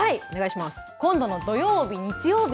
今度の土曜日、日曜日